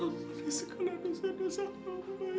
ampuni segala dosa dosa kami ya allah